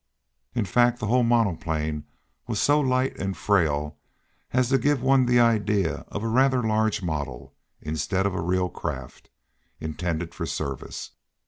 In fact, the whole monoplane was so light and frail as to give one the idea of a rather large model, instead of a real craft, intended for service.